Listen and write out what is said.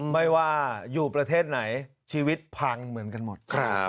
ไม่ว่าอยู่ประเทศไหนชีวิตพังเหมือนกันหมด